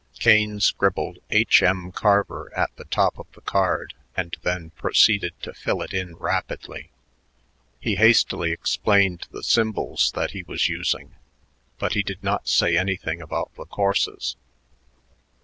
Kane scribbled H.M. Carver at the top of the card and then proceeded to fill it in rapidly. He hastily explained the symbols that he was using, but he did not say anything about the courses.